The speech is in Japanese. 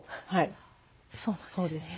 そうなんですね。